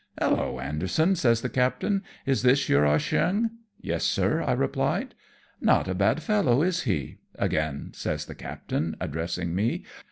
" Hallo, Anderson," says the captain, " is this your Ah Cheong ?"" Yes, sir," I replied. " Not a bad fellow, is he ?" again says the captain, addressing me.